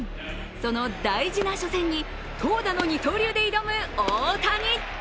その大事な初戦に投打の二刀流で挑む大谷。